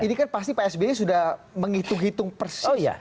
ini kan pasti pak sby sudah menghitung hitung persis ya